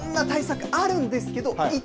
いろんな対策あるんですけど